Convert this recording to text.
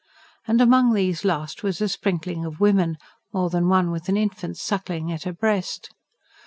And among these last was a sprinkling of women, more than one with an infant sucking at her breast.